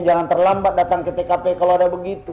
jangan terlambat datang ke tkp kalau ada begitu